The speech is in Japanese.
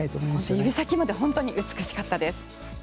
指先まで本当に美しかったです。